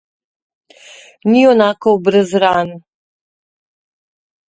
Ni junakov brez ran.